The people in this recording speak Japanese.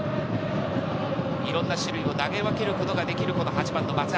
いろんな種類を投げ分けることができる８番の松橋。